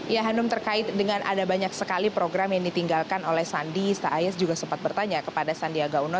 ya hanum terkait dengan ada banyak sekali program yang ditinggalkan oleh sandi sayez juga sempat bertanya kepada sandiaga uno